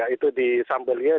yang terperah adalah tiga orang